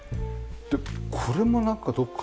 これもなんかどこかで。